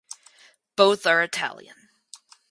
Both are Italian.